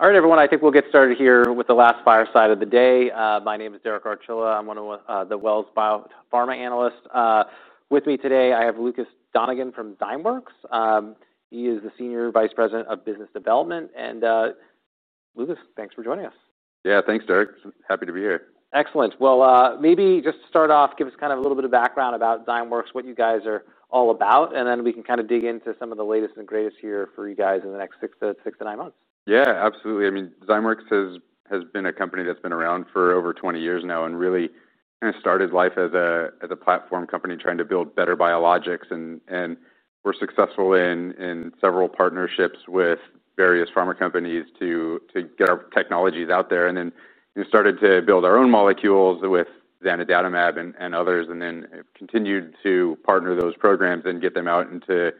All right, everyone, I think we'll get started here with the last fireside of the day. My name is Derek Archuleta. I'm one of the Wells Fargo Biopharma analysts. With me today, I have Lucas Donegan from Zymeworks. He is the Senior Vice President of Business Development. Lucas, thanks for joining us. Yeah, thanks, Derek. Happy to be here. Excellent. Maybe just to start off, give us kind of a little bit of background about Zymeworks, what you guys are all about. Then we can kind of dig into some of the latest and greatest here for you guys in the next six to nine months. Yeah, absolutely. I mean, Zymeworks has been a company that's been around for over 20 years now and really kind of started life as a platform company trying to build better biologics. We were successful in several partnerships with various pharma companies to get our technologies out there. We started to build our own molecules with zanidatamab and others, and continued to partner those programs and get them out into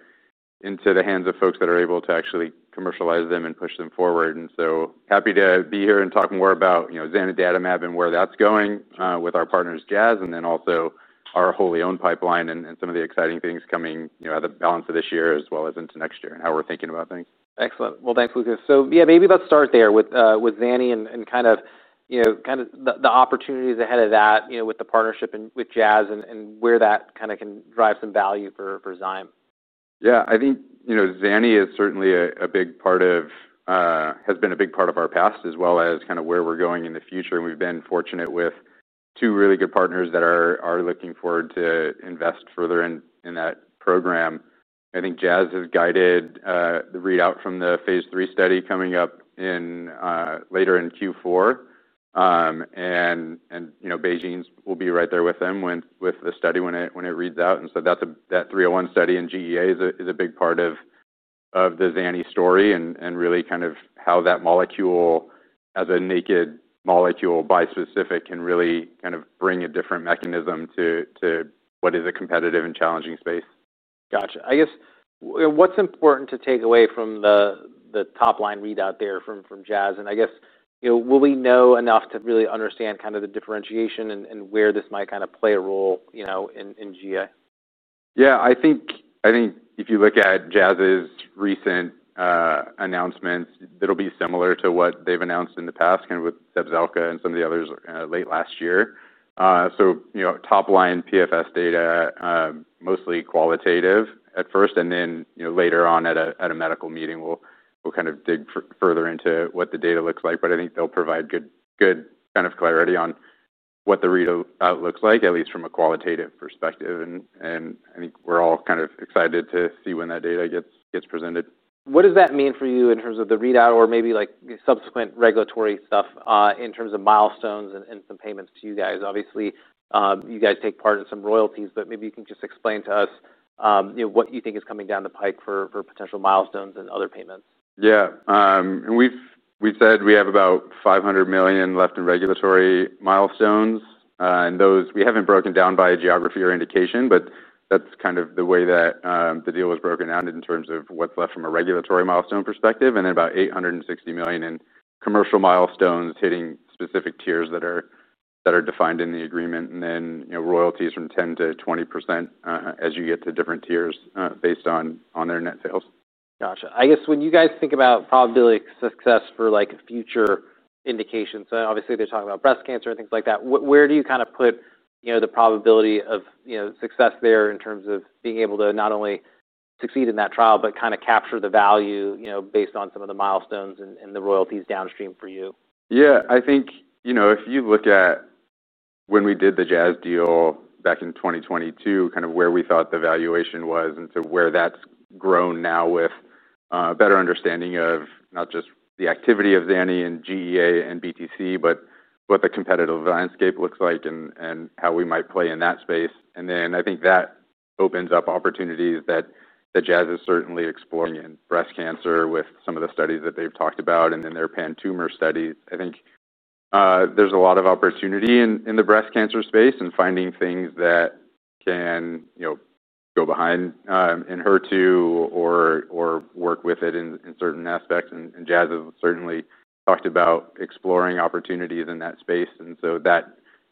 the hands of folks that are able to actually commercialize them and push them forward. I'm happy to be here and talk more about zanidatamab and where that's going with our partners Jazz and also our wholly owned pipeline and some of the exciting things coming out of the balance of this year, as well as into next year and how we're thinking about things. Excellent. Thanks, Lucas. Maybe let's start there with zanidatamab and the opportunities ahead of that with the partnership with Jazz Pharmaceuticals and where that can drive some value for Zymeworks. Yeah, I think zanidatamab is certainly a big part of, has been a big part of our past as well as kind of where we're going in the future. We've been fortunate with two really good partners that are looking forward to invest further in that program. I think Jazz Pharmaceuticals has guided the readout from the Phase 3 study coming up later in Q4. BeiGene will be right there with them with the study when it reads out. That 301 study in gastroesophageal adenocarcinoma (GEA) is a big part of the zanidatamab story and really kind of how that molecule, as a naked molecule, bispecific can really kind of bring a different mechanism to what is a competitive and challenging space. Gotcha. I guess what's important to take away from the top line readout there from Jazz Pharmaceuticals? I guess, will we know enough to really understand kind of the differentiation and where this might kind of play a role in GEA? Yeah, I think if you look at Jazz Pharmaceuticals' recent announcements, it'll be similar to what they've announced in the past, kind of with Tebzelka and some of the others late last year. Top line PFS data, mostly qualitative at first, and then later on at a medical meeting, we'll kind of dig further into what the data looks like. I think they'll provide good kind of clarity on what the readout looks like, at least from a qualitative perspective. I think we're all kind of excited to see when that data gets presented. What does that mean for you in terms of the readout or maybe subsequent regulatory stuff in terms of milestones and some payments to you guys? Obviously, you guys take part in some royalties, but maybe you can just explain to us what you think is coming down the pike for potential milestones and other payments. Yeah, we've said we have about $500 million left in regulatory milestones. Those we haven't broken down by geography or indication, but that's kind of the way that the deal was broken down in terms of what's left from a regulatory milestone perspective. There is about $860 million in commercial milestones hitting specific tiers that are defined in the agreement, and then royalties from 10% - 20% as you get to different tiers based on their net sales. Gotcha. I guess when you guys think about probability of success for future indications, obviously they're talking about breast cancer and things like that. Where do you kind of put the probability of success there in terms of being able to not only succeed in that trial, but kind of capture the value based on some of the milestones and the royalties downstream for you? Yeah, I think if you look at when we did the Jazz Pharmaceuticals deal back in 2022, kind of where we thought the valuation was and to where that's grown now with a better understanding of not just the activity of zanidatamab in GEA and BTC, but what the competitive landscape looks like and how we might play in that space. I think that opens up opportunities that Jazz Pharmaceuticals is certainly exploring in breast cancer with some of the studies that they've talked about and their pan-tumor studies. I think there's a lot of opportunity in the breast cancer space and finding things that can go behind in HER2 or work with it in certain aspects. Jazz Pharmaceuticals has certainly talked about exploring opportunities in that space. That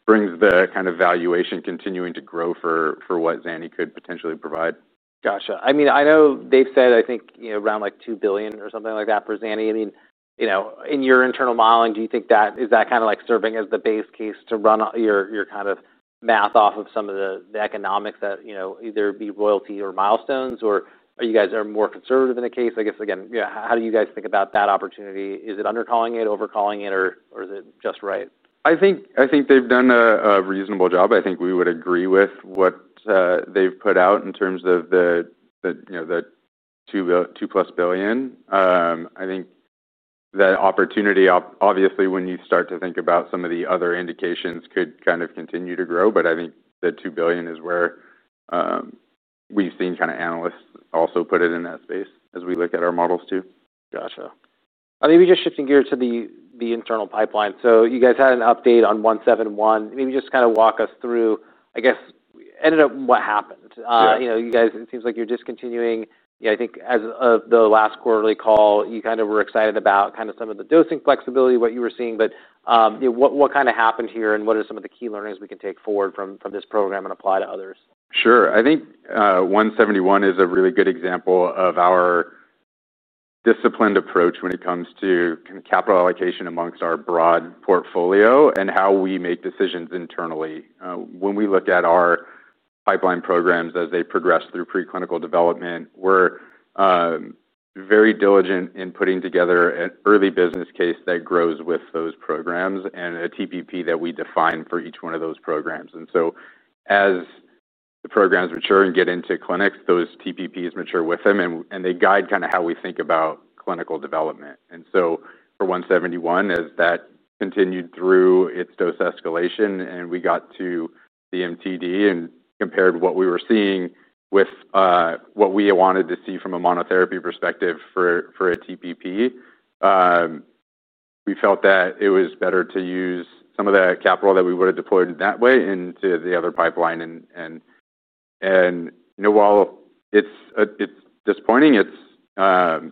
brings the kind of valuation continuing to grow for what zanidatamab could potentially provide. Gotcha. I mean, I know they've said, I think around $2 billion or something like that for zanidatamab. I mean, in your internal modeling, do you think that is that kind of like serving as the base case to run your kind of math off of some of the economics that either be royalty or milestones? Or are you guys more conservative in the case? I guess, again, how do you guys think about that opportunity? Is it undercalling it, overcalling it, or is it just right? I think they've done a reasonable job. I think we would agree with what they've put out in terms of the $2 billion plus. I think that opportunity, obviously, when you start to think about some of the other indications, could kind of continue to grow. I think the $2 billion is where we've seen analysts also put it in that space as we look at our models too. Gotcha. I think just shifting gears to the internal pipeline. You guys had an update on ZW171. Maybe just kind of walk us through, I guess, what happened. You guys, it seems like you're discontinuing. I think as of the last quarterly call, you kind of were excited about some of the dosing flexibility, what you were seeing. What kind of happened here, and what are some of the key learnings we can take forward from this program and apply to others? Sure. I think ZW171 is a really good example of our disciplined approach when it comes to capital allocation amongst our broad portfolio and how we make decisions internally. When we look at our pipeline programs as they progress through preclinical development, we're very diligent in putting together an early business case that grows with those programs and a TPP that we define for each one of those programs. As the programs mature and get into clinics, those TPPs mature with them and they guide kind of how we think about clinical development. For ZW171, as that continued through its dose escalation and we got to the MTD and compared what we were seeing with what we wanted to see from a monotherapy perspective for a TPP, we felt that it was better to use some of the capital that we would have deployed that way into the other pipeline. While it's disappointing, it's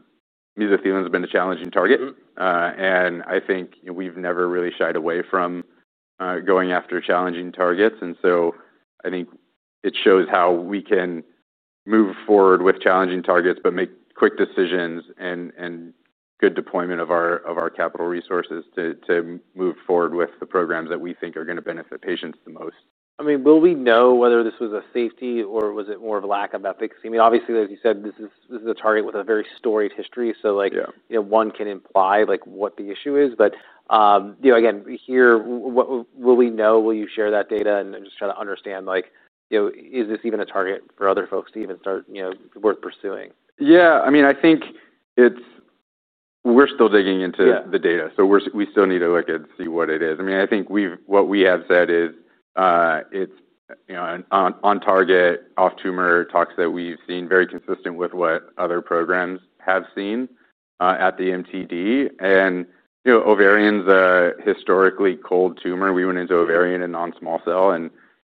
neither feeling has been a challenging target. I think we've never really shied away from going after challenging targets. I think it shows how we can move forward with challenging targets, but make quick decisions and good deployment of our capital resources to move forward with the programs that we think are going to benefit patients the most. Will we know whether this was a safety issue or was it more of a lack of efficacy? Obviously, as you said, this is a target with a very storied history. One can imply what the issue is. Will we know? Will you share that data? I am just trying to understand, is this even a target for other folks to start, you know, worth pursuing? Yeah, I mean, I think we're still digging into the data. We still need to look and see what it is. I think what we have said is it's on-target, off-tumor toxicity that we've seen, very consistent with what other programs have seen at the MTD. Ovarian is a historically cold tumor. We went into ovarian and non-small cell.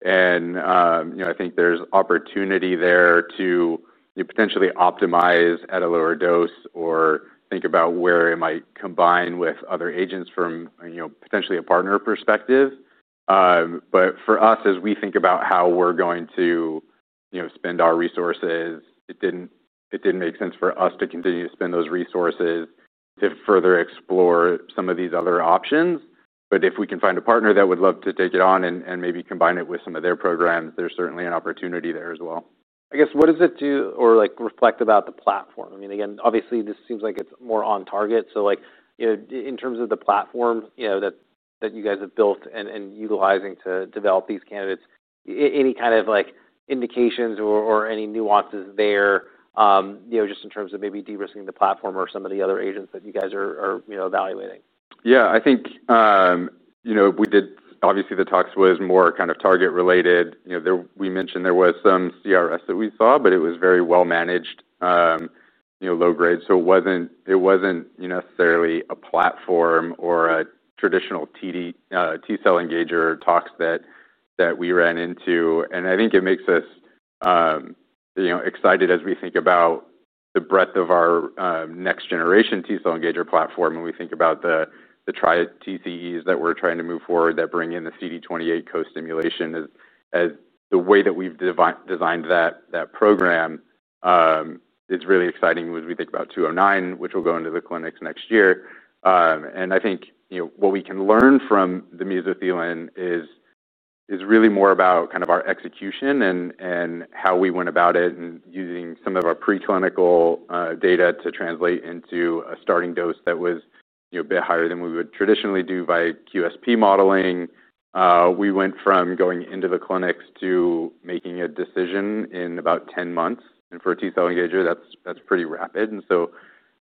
I think there's opportunity there to potentially optimize at a lower dose or think about where it might combine with other agents from potentially a partner perspective. For us, as we think about how we're going to spend our resources, it didn't make sense for us to continue to spend those resources to further explore some of these other options. If we can find a partner that would love to take it on and maybe combine it with some of their programs, there's certainly an opportunity there as well. What does it do or reflect about the platform? Obviously, this seems like it's more on target. In terms of the platform that you guys have built and are utilizing to develop these candidates, any indications or nuances there, just in terms of maybe de-risking the platform or some of the other agents that you guys are evaluating? Yeah, I think we did, obviously, the talks was more kind of target related. We mentioned there was some CRS that we saw, but it was very well managed, low grade. It wasn't necessarily a platform or a traditional T-cell engager talks that we ran into. I think it makes us excited as we think about the breadth of our next generation T-cell engager platform. We think about the tri TCEs that we're trying to move forward that bring in the CD28 co-stimulation as the way that we've designed that program is really exciting as we think about ZW209, which will go into the clinics next year. I think what we can learn from the mesothelin is really more about our execution and how we went about it and using some of our preclinical data to translate into a starting dose that was a bit higher than we would traditionally do by QSP modeling. We went from going into the clinics to making a decision in about 10 months. For a T-cell engager, that's pretty rapid.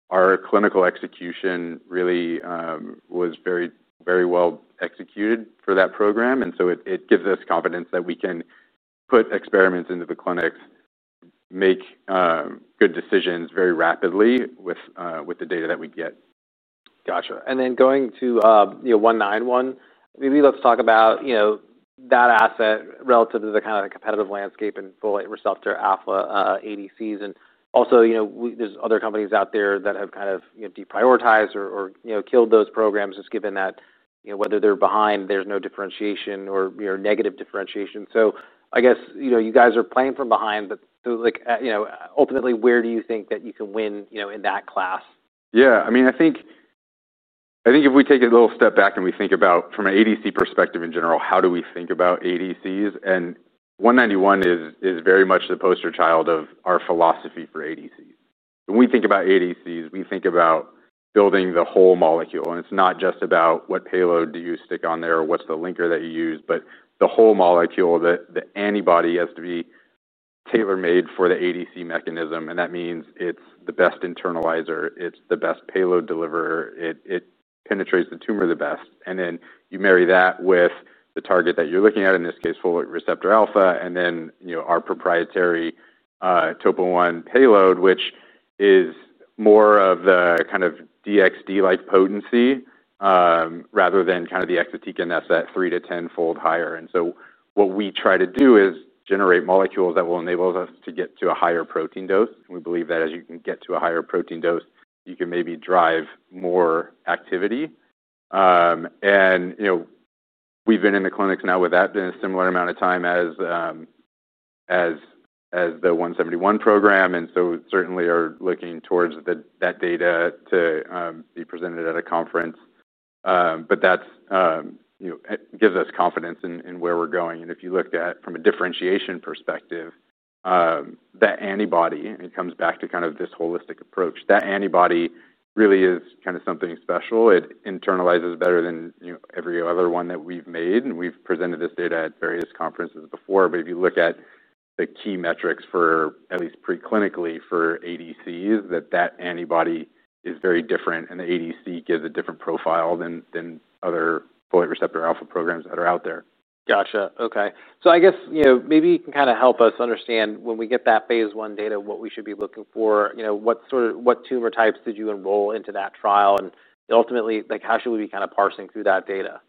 Our clinical execution really was very, very well executed for that program. It gives us confidence that we can put experiments into the clinics, make good decisions very rapidly with the data that we get. Gotcha. Going to ZW191, maybe let's talk about that asset relative to the competitive landscape and folate receptor alpha ADCs. Also, you know, there are other companies out there that have deprioritized or killed those programs just given that whether they're behind, there's no differentiation or negative differentiation. I guess, you know, you guys are playing from behind, but ultimately, where do you think that you can win in that class? Yeah, I mean, I think if we take it a little step back and we think about from an ADC perspective in general, how do we think about ADCs? 191 is very much the poster child of our philosophy for ADCs. When we think about ADCs, we think about building the whole molecule. It's not just about what payload do you stick on there or what's the linker that you use, but the whole molecule, the antibody has to be tailor-made for the ADC mechanism. That means it's the best internalizer, it's the best payload deliverer, it penetrates the tumor the best. You marry that with the target that you're looking at, in this case, folate receptor alpha. Our proprietary TOPO-1 payload is more of the kind of DXD-like potency rather than kind of the exotic NS at three to tenfold higher. What we try to do is generate molecules that will enable us to get to a higher protein dose. We believe that as you can get to a higher protein dose, you can maybe drive more activity. We've been in the clinics now with that in a similar amount of time as the ZW171 program. We certainly are looking towards that data to be presented at a conference. That gives us confidence in where we're going. If you look at from a differentiation perspective, that antibody, and it comes back to kind of this holistic approach, that antibody really is kind of something special. It internalizes better than every other one that we've made. We've presented this data at various conferences before. If you look at the key metrics for at least preclinically for ADCs, that antibody is very different. The ADC gives a different profile than other folate receptor alpha programs that are out there. Okay. I guess maybe you can kind of help us understand when we get that Phase 1 data, what we should be looking for. What tumor types did you enroll into that trial? Ultimately, how should we be kind of parsing through that data?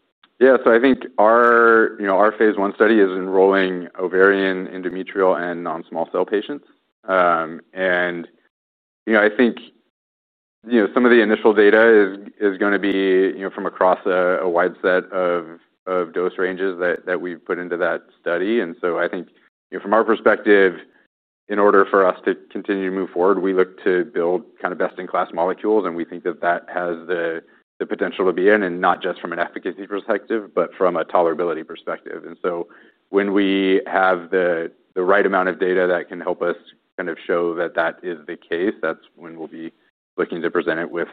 I think our Phase 1 study is enrolling ovarian, endometrial, and non-small cell patients. I think some of the initial data is going to be from across a wide set of dose ranges that we've put into that study. From our perspective, in order for us to continue to move forward, we look to build kind of best-in-class molecules. We think that that has the potential to be in, and not just from an efficacy perspective, but from a tolerability perspective. When we have the right amount of data that can help us kind of show that that is the case, that's when we'll be looking to present it with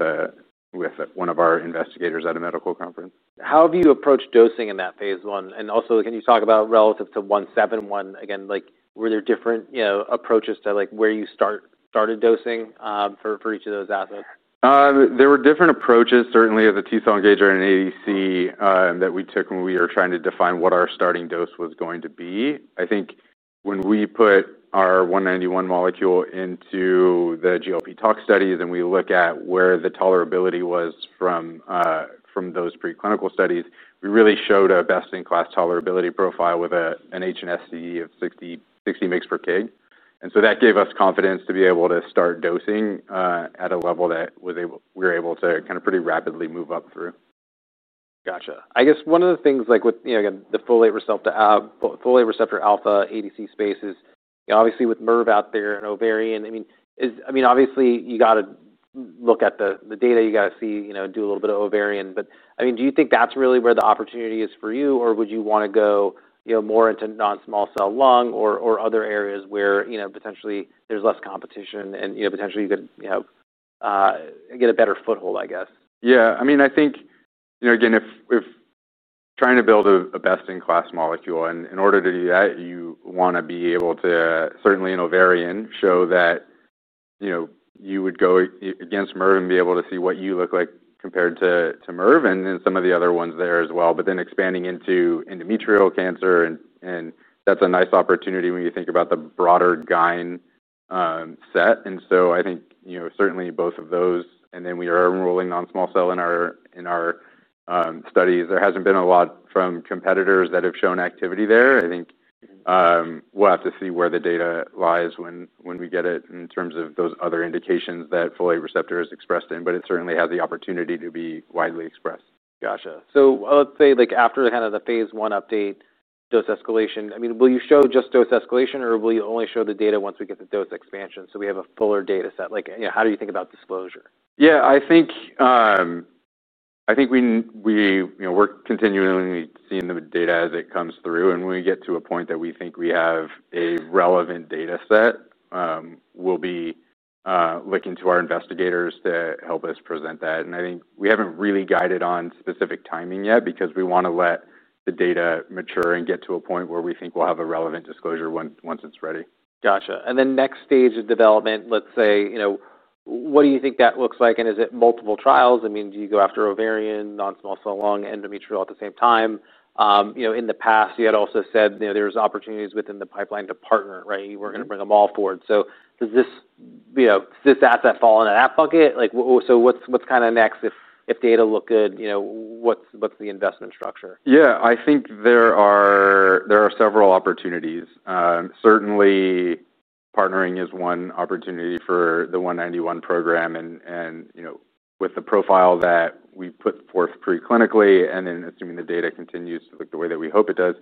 one of our investigators at a medical conference. How have you approached dosing in that Phase 1? Also, can you talk about relative to ZW171? Were there different approaches to where you started dosing for each of those assets? There were different approaches, certainly as a T-cell engager and an ADC that we took when we were trying to define what our starting dose was going to be. I think when we put our ZW191 molecule into the GLP tox studies and we look at where the tolerability was from those preclinical studies, we really showed a best-in-class tolerability profile with an HNSTD of 60 mg/kg. That gave us confidence to be able to start dosing at a level that we were able to pretty rapidly move up through. Gotcha. I guess one of the things with the folate receptor alpha ADC space is obviously with MERV out there and ovarian. I mean, obviously you got to look at the data, you got to see, you know, do a little bit of ovarian. Do you think that's really where the opportunity is for you, or would you want to go more into non-small cell lung or other areas where potentially there's less competition and potentially you could get a better foothold, I guess? Yeah, I mean, I think, you know, again, if trying to build a best-in-class molecule, in order to do that, you want to be able to certainly in ovarian show that, you know, you would go against MERV and be able to see what you look like compared to MERV and then some of the other ones there as well. Expanding into endometrial cancer, that's a nice opportunity when you think about the broader GYN set. I think, you know, certainly both of those, and then we are enrolling non-small cell in our studies. There hasn't been a lot from competitors that have shown activity there. I think we'll have to see where the data lies when we get it in terms of those other indications that folate receptor alpha is expressed in, but it certainly has the opportunity to be widely expressed. Gotcha. Let's say after the kind of the Phase 1 update, dose escalation, will you show just dose escalation, or will you only show the data once we get the dose expansion so we have a fuller data set? How do you think about disclosure? I think we, you know, we're continually seeing the data as it comes through. When we get to a point that we think we have a relevant data set, we'll be looking to our investigators to help us present that. I think we haven't really guided on specific timing yet because we want to let the data mature and get to a point where we think we'll have a relevant disclosure once it's ready. Gotcha. Next stage of development, let's say, what do you think that looks like? Is it multiple trials? Do you go after ovarian, non-small cell lung, endometrial at the same time? In the past, you had also said there's opportunities within the pipeline to partner, right? You weren't going to bring them all forward. Does this asset fall into that bucket? What's kind of next if data look good? What's the investment structure? Yeah, I think there are several opportunities. Certainly, partnering is one opportunity for the ZW191 program. With the profile that we put forth preclinically, and then assuming the data continues to look the way that we hope it does,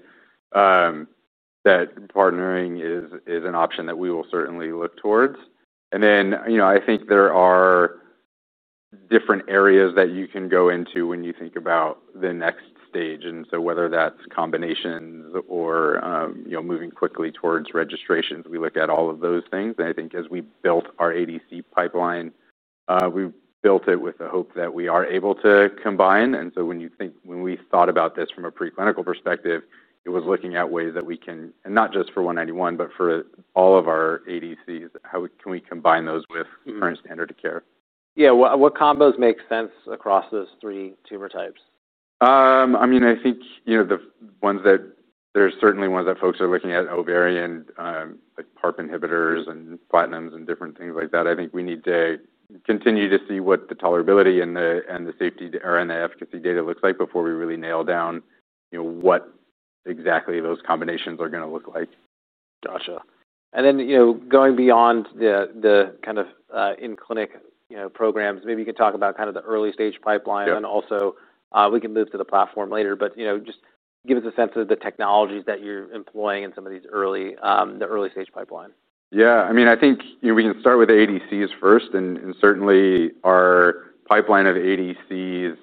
partnering is an option that we will certainly look towards. I think there are different areas that you can go into when you think about the next stage. Whether that's combinations or moving quickly towards registrations, we look at all of those things. I think as we built our ADC pipeline, we built it with the hope that we are able to combine. When we thought about this from a preclinical perspective, it was looking at ways that we can, and not just for ZW191, but for all of our ADCs, how can we combine those with current standard of care? Yeah, what combos make sense across those three tumor types? I think the ones that folks are looking at are ovarian, like PARP inhibitors and platinums and different things like that. I think we need to continue to see what the tolerability and the safety to RNA efficacy data looks like before we really nail down what exactly those combinations are going to look like. Gotcha. You know, going beyond the kind of in-clinic programs, maybe you can talk about the early stage pipeline. Also, we can move to the platform later. You know, just give us a sense of the technologies that you're employing in some of these early, the early stage pipeline? Yeah, I mean, I think we can start with ADCs first. Certainly, our pipeline of ADCs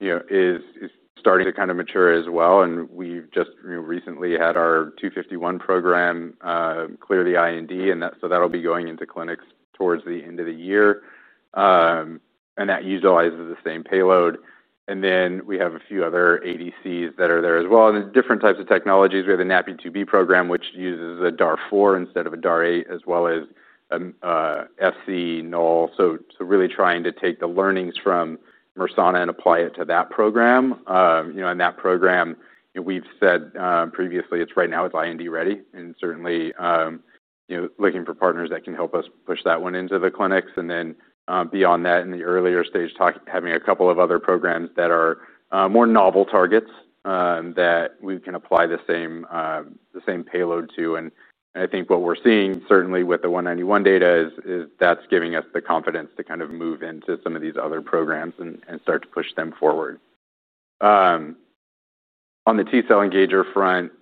is starting to kind of mature as well. We've just recently had our ZW251 program clear the IND, so that'll be going into clinics towards the end of the year. That utilizes the same payload. We have a few other ADCs that are there as well, and different types of technologies. We have the NAPI 2B program, which uses a DAR 4 instead of a DAR 8, as well as Fc null. Really trying to take the learnings from MRSANA and apply it to that program. In that program, we've said previously, it's right now IND ready. Certainly looking for partners that can help us push that one into the clinics. Beyond that, in the earlier stage talk, having a couple of other programs that are more novel targets that we can apply the same payload to. I think what we're seeing certainly with the ZW191 data is that's giving us the confidence to kind of move into some of these other programs and start to push them forward. On the T-cell engager front,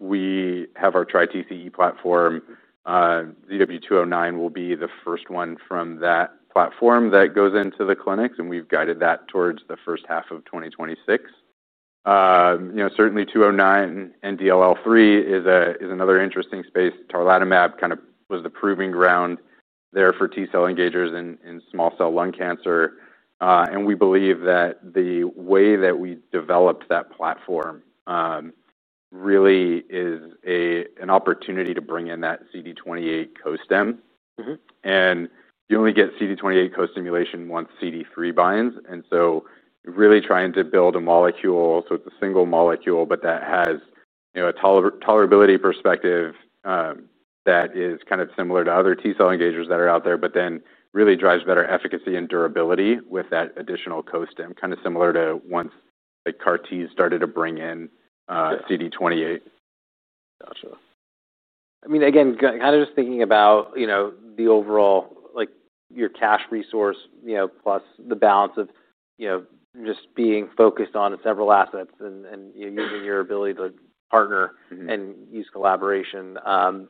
we have our tri-TCE platform. ZW209 will be the first one from that platform that goes into the clinics, and we've guided that towards the first half of 2026. Certainly, ZW209 and DLL3 is another interesting space. Tarlatamab kind of was the proving ground there for T-cell engagers in small cell lung cancer. We believe that the way that we developed that platform really is an opportunity to bring in that CD28 co-stim. You only get CD28 co-stimulation once CD3 binds. Really trying to build a molecule, so it's a single molecule, but that has a tolerability perspective that is kind of similar to other T-cell engagers that are out there, but then really drives better efficacy and durability with that additional co-stim, kind of similar to once CAR-T started to bring in CD28. Gotcha. I mean, again, just thinking about the overall, like your cash resource, plus the balance of just being focused on several assets and your ability to partner and use collaboration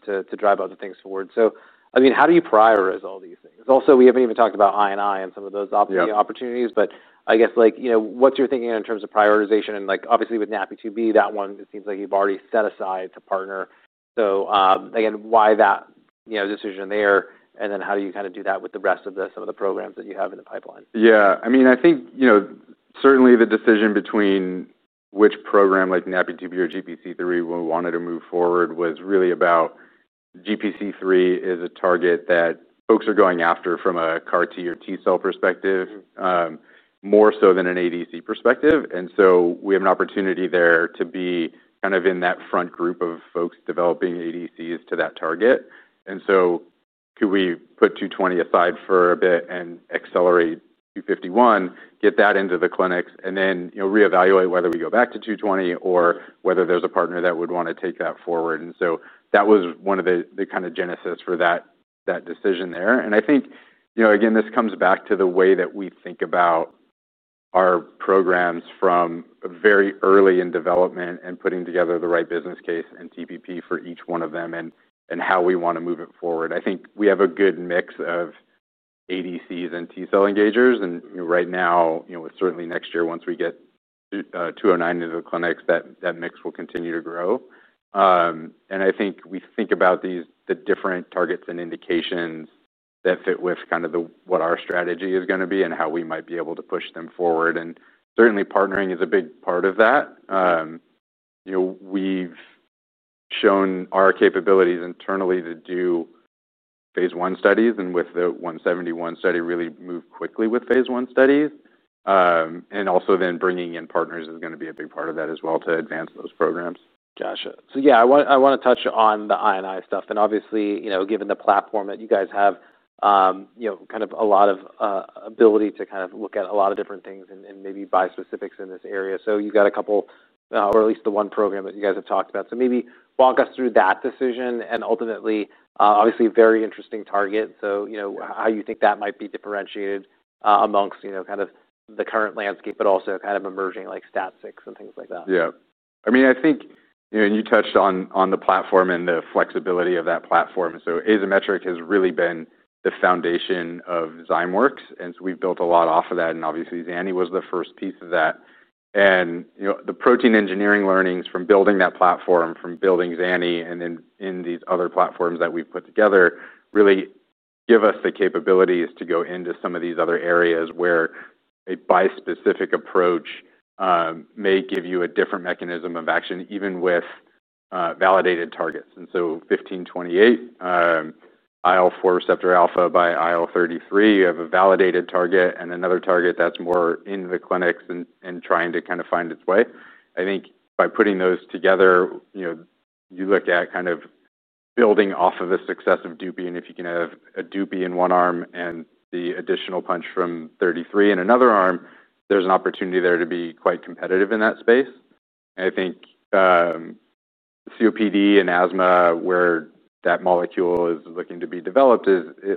to drive other things forward. How do you prioritize all these things? Also, we haven't even talked about IND and some of those opportunities, but I guess, like, what's your thinking in terms of prioritization? Obviously, with NAPI 2B, that one, it seems like you've already set aside to partner. Why that decision there? How do you kind of do that with the rest of the programs that you have in the pipeline? Yeah, I mean, I think, you know, certainly the decision between which program, like NAPI 2B or GPC3, when we wanted to move forward was really about GPC3 is a target that folks are going after from a CAR-T or T-cell perspective, more so than an ADC perspective. We have an opportunity there to be kind of in that front group of folks developing ADCs to that target. Could we put ZW220 aside for a bit and accelerate ZW251, get that into the clinics, and then, you know, reevaluate whether we go back to ZW220 or whether there's a partner that would want to take that forward. That was one of the kind of genesis for that decision there. I think, you know, again, this comes back to the way that we think about our programs from very early in development and putting together the right business case and TPP for each one of them and how we want to move it forward. I think we have a good mix of ADCs and T-cell engagers. Right now, you know, certainly next year, once we get ZW209 into the clinics, that mix will continue to grow. I think we think about the different targets and indications that fit with kind of what our strategy is going to be and how we might be able to push them forward. Certainly, partnering is a big part of that. You know, we've shown our capabilities internally to do Phase 1 studies and with the ZW171 study really move quickly with Phase 1 studies. Also, then bringing in partners is going to be a big part of that as well to advance those programs. Gotcha. I want to touch on the IND stuff. Obviously, given the platform that you guys have, you have a lot of ability to look at a lot of different things and maybe bispecifics in this area. You have a couple, or at least the one program that you guys have talked about. Maybe walk us through that decision and ultimately, obviously, a very interesting target. How do you think that might be differentiated amongst the current landscape, but also emerging like stat sticks and things like that? Yeah, I mean, I think, you know, you touched on the platform and the flexibility of that platform. Azymetric has really been the foundation of Zymeworks. We've built a lot off of that. Obviously, zanidatamab was the first piece of that. The protein engineering learnings from building that platform, from building zanidatamab, and then in these other platforms that we've put together really give us the capabilities to go into some of these other areas where a bispecific approach may give you a different mechanism of action, even with validated targets. ZW1528, IL4 receptor alpha by IL33, you have a validated target and another target that's more in the clinics and trying to kind of find its way. I think by putting those together, you look at kind of building off of a successive DUPI. If you can have a DUPI in one arm and the additional punch from 33 in another arm, there's an opportunity there to be quite competitive in that space. I think COPD and asthma, where that molecule is looking to be developed,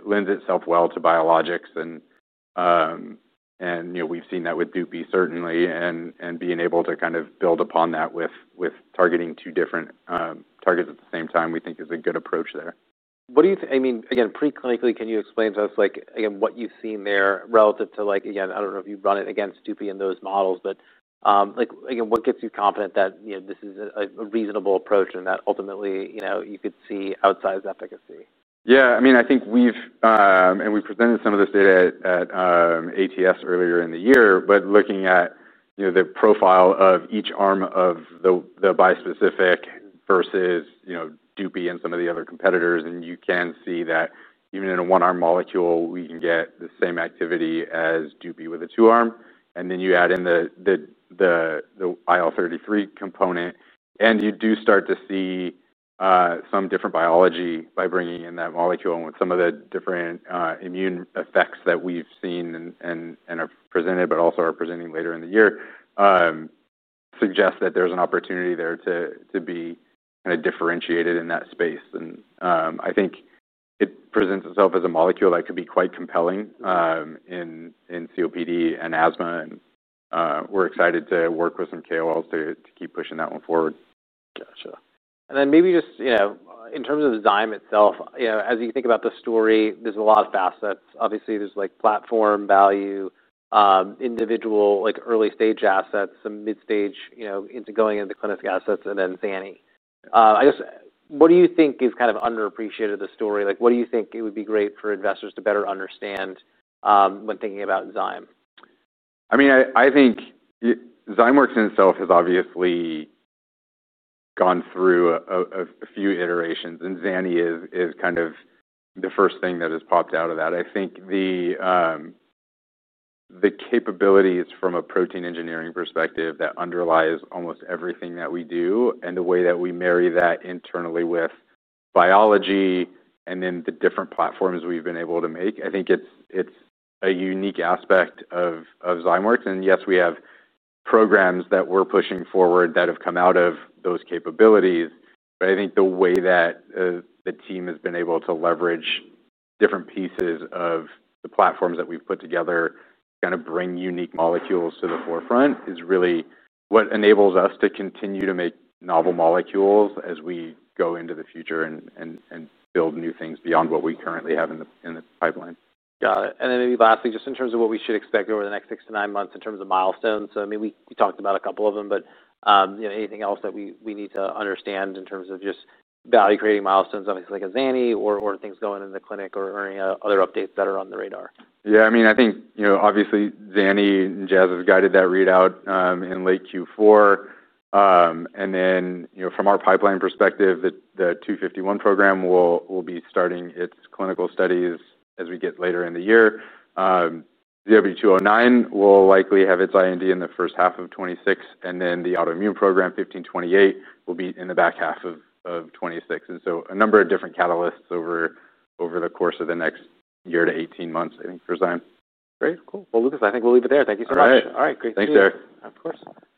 lends itself well to biologics. We've seen that with DUPI certainly, and being able to kind of build upon that with targeting two different targets at the same time, we think is a good approach there. What do you think, preclinically, can you explain to us what you've seen there relative to, I don't know if you've run it against DUPI in those models, but what gets you confident that this is a reasonable approach and that ultimately you could see outsized efficacy? Yeah, I mean, I think we've, and we presented some of this data at ATS earlier in the year, but looking at, you know, the profile of each arm of the bispecific versus, you know, DUPI and some of the other competitors, you can see that even in a one-arm molecule, we can get the same activity as DUPI with a two-arm. You add in the IL33 component, and you do start to see some different biology by bringing in that molecule with some of the different immune effects that we've seen and have presented, but also are presenting later in the year, which suggests that there's an opportunity there to be kind of differentiated in that space. I think it presents itself as a molecule that could be quite compelling in COPD and asthma. We're excited to work with some KOLs to keep pushing that one forward. Gotcha. Maybe just, you know, in terms of Zymeworks itself, as you think about the story, there's a lot of facets. Obviously, there's platform value, individual early stage assets, some mid stage going into clinic assets, and then zanidatamab. I guess, what do you think is kind of underappreciated in the story? What do you think it would be great for investors to better understand when thinking about Zymeworks? I think Zymeworks in itself has obviously gone through a few iterations, and Zany is kind of the first thing that has popped out of that. I think the capabilities from a protein engineering perspective that underlie almost everything that we do and the way that we marry that internally with biology and then the different platforms we've been able to make, I think it's a unique aspect of Zymeworks. Yes, we have programs that we're pushing forward that have come out of those capabilities. I think the way that the team has been able to leverage different pieces of the platforms that we've put together to kind of bring unique molecules to the forefront is really what enables us to continue to make novel molecules as we go into the future and build new things beyond what we currently have in the pipeline. Got it. Maybe lastly, just in terms of what we should expect over the next six to nine months in terms of milestones. We talked about a couple of them, but anything else that we need to understand in terms of just value creating milestones, obviously like a zanidatamab or things going in the clinic or any other updates that are on the radar? Yeah, I mean, I think, you know, obviously, zanidatamab and Jazz Pharmaceuticals have guided that readout in late Q4. From our pipeline perspective, the ZW251 program will be starting its clinical studies as we get later in the year. ZW209 will likely have its IND in the first half of 2026. The autoimmune program, ZW1528, will be in the back half of 2026. A number of different catalysts over the course of the next year to 18 months, I think, for Zymeworks. Great. Cool. Lucas, I think we'll leave it there. Thank you so much. All right. Great. Thanks, Derek. Of course. All right.